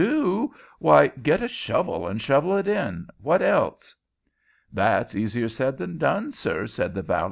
"Do? Why, get a shovel and shovel it in. What else?" "That's easier said than done, sir," said the valet.